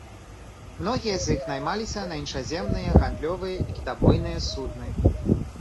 Многія з іх наймаліся на іншаземныя гандлёвыя і кітабойныя судны.